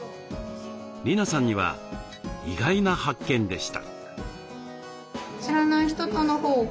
りなさんには意外な発見でした。